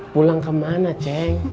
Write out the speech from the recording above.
pulang kemana ceng